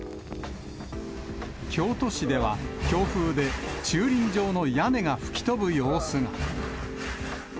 京都市では、強風で駐輪場の屋根が吹き飛ぶ様子が。